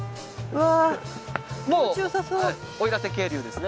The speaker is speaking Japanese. うわ。